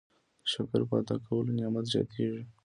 د شکر په ادا کولو نعمت زیاتیږي.